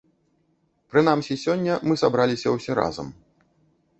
Прынамсі, сёння мы сабраліся ўсе разам.